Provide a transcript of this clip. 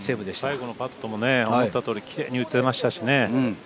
最後のパットも思った通りきれいに打てましたしね。